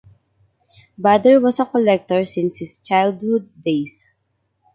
Bader was a collector since his childhood days.